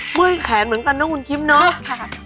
เมื่อยแขนเหมือนกันนะคุณคิมเนาะ